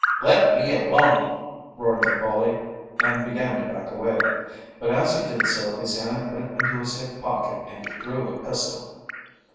"Let me alone!" roared the bully, and began to back away. But as he did so his hand went into his hip pocket and he drew a pistol.